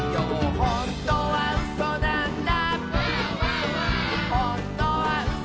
「ほんとにうそなんだ」